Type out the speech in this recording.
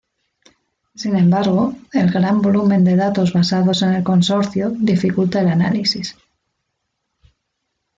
Sin embargo, el gran volumen de datos basados en el consorcio dificulta el análisis.